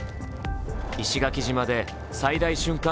石垣島で最大瞬間